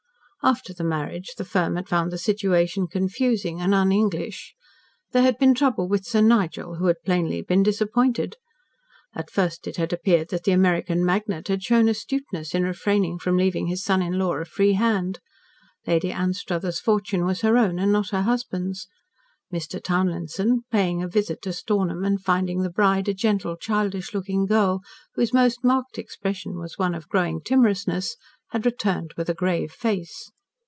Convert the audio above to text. After the marriage the firm had found the situation confusing and un English. There had been trouble with Sir Nigel, who had plainly been disappointed. At first it had appeared that the American magnate had shown astuteness in refraining from leaving his son in law a free hand. Lady Anstruthers' fortune was her own and not her husband's. Mr. Townlinson, paying a visit to Stornham and finding the bride a gentle, childish looking girl, whose most marked expression was one of growing timorousness, had returned with a grave face.